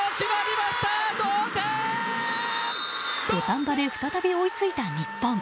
土壇場で再び追いついた日本。